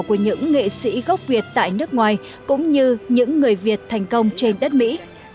của những nghệ sĩ gốc việt tại nước ngoài cũng như những người việt thành công trên đất mỹ